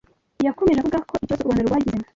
Yakomeje avuga ko ikibazo u Rwanda rwagize